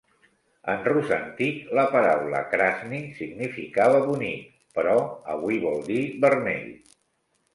En rus antic, la paraula "krasny" significava "bonic", però avui vol dir "vermell".